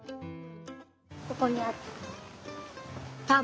ここにあった。